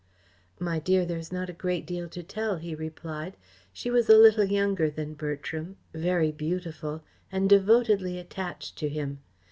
"My dear, there is not a great deal to tell," he replied. "She was a little younger than Bertram, very beautiful, and devotedly attached to him.